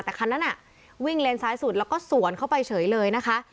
แต่คันนั้นวิ่งเลนซ้ายสุดแล้วก็สวนเข้าไปเฉยเลยนะคะ